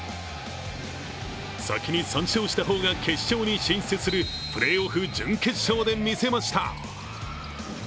先に３勝した方が決勝に進出するプレーオフ準決勝でみせました。